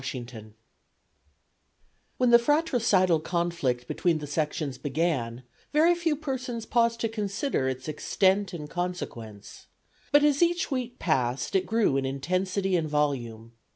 When the fratricidal conflict between the sections began very few persons paused to consider its extent and consequence. But as each week passed it grew in intensity and volume.